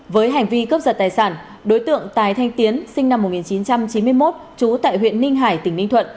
với hành vi cướp giật tài sản đối tượng tài thanh tiến sinh năm một nghìn chín trăm chín mươi một trú tại huyện ninh hải tỉnh ninh thuận